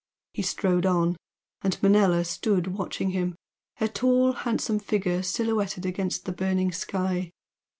He strode on, and Manella stood watching him, her tall handsome figure silhouetted against the burning sky.